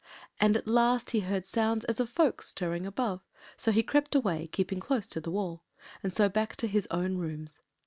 And at last he heard sounds as of folks stirring above, so he crept away, keeping close to the wall, and so back to his own rooms.